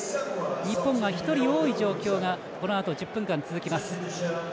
日本が１人多い状況がこのあと１０分間続きます。